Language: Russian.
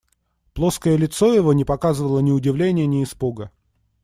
Плоское лицо его не показывало ни удивления, ни испуга.